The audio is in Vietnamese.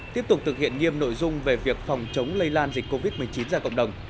tiếp tục thực hiện nghiêm nội dung về việc phòng chống lây lan dịch covid một mươi chín ra cộng đồng